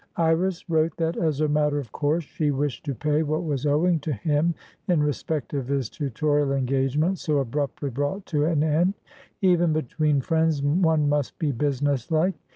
Iris wrote that, as a matter of course, she wished to pay what was owing to him in respect of his tutorial engagement so abruptly brought to an end. "Even between friends, one must be businesslike.